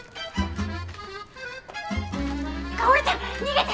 香ちゃん逃げて！